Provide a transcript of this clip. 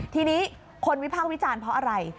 ทีนี้คนวิพากษ์วิจารณ์เพราะอะไร